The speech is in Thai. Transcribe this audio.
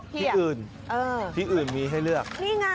ที่อื่นที่อื่นมีให้เลือก